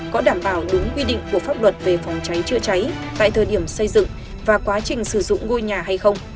có đảm bảo đúng quy định của pháp luật về phòng cháy chữa cháy tại thời điểm xây dựng và quá trình sử dụng ngôi nhà hay không